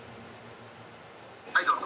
はいどうぞ。